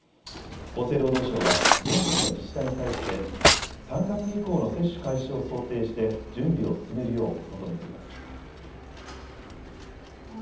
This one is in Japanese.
厚生労働省は全国の自治体に対して３月以降の接種開始を想定して準備を進めるよう求めています。